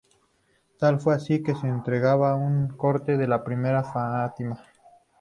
Tal fue así que fue entregada a la corte de la princesa Fátima.